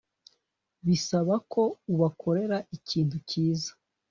Bisaba ko ubakorera ikintu cyiza